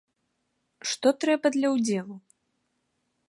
Што трэба для ўдзелу?